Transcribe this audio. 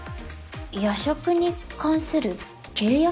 「夜食に関する契約書」？